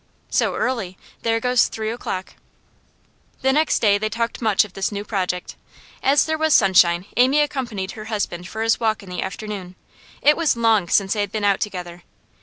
'So early. There goes three o'clock.' The next day they talked much of this new project. As there was sunshine Amy accompanied her husband for his walk in the afternoon; it was long since they had been out together.